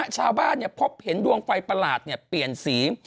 ชาวบ้านพบเห็นดวงไฟประหลาดนี่เปลี่ยนสี